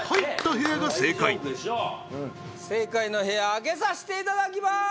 正解の部屋開けさしていただきまーす！